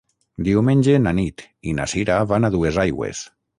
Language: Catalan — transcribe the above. Diumenge na Nit i na Sira van a Duesaigües.